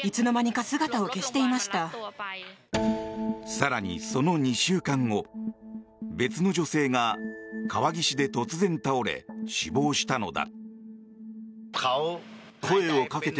更に、その２週間後別の女性が川岸で突然倒れ死亡したのだ。